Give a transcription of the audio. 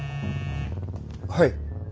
はい。